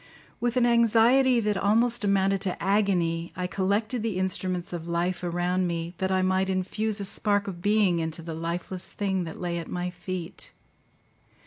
With an anxiety that almost amounted to agony, I collected the instruments of life around me, that I might infuse a spark of being into the lifeless thing that lay at my feet.